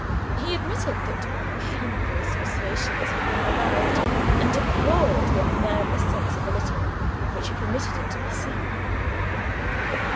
He admitted that "painful associations" had been revived, and deplored the "nervous sensibility" which had permitted it to be seen.